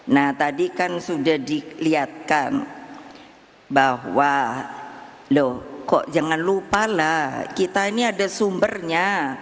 nah tadi kan sudah dilihatkan bahwa loh kok jangan lupa lah kita ini ada sumbernya